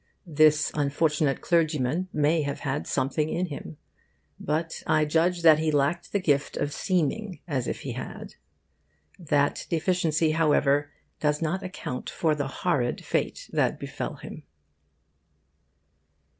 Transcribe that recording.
This unfortunate clergyman may have had something in him, but I judge that he lacked the gift of seeming as if he had. That deficiency, however, does not account for the horrid fate that befell him.